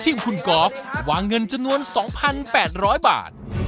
ของคุณกอล์ฟวางเงินจำนวน๒๘๐๐บาท